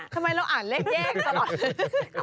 ทำไมเราอ่านเลขแยกตลอดเลย